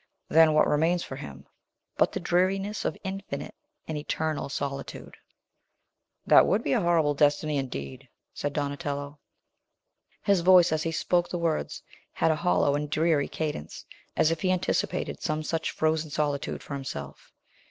Then, what remains for him, but the dreariness of infinite and eternal solitude?" "That would be a horrible destiny, indeed!" said Donatello. His voice as he spoke the words had a hollow and dreary cadence, as if he anticipated some such frozen solitude for himself.